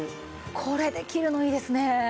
これできるのいいですね。